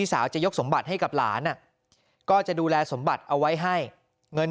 สาวจะยกสมบัติให้กับหลานก็จะดูแลสมบัติเอาไว้ให้เงิน